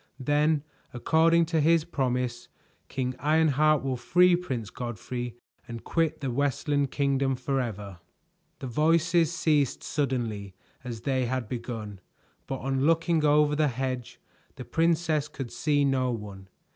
Then, according to his promise, King Ironheart will free Prince Godfrey and quit the Westland Kingdom forever." The voices ceased suddenly as they had begun, but on looking over the hedge, the princess could see no one.